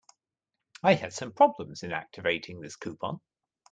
I had some problems in activating this coupon.